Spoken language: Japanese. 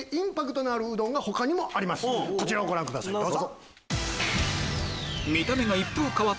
こちらをご覧くださいどうぞ。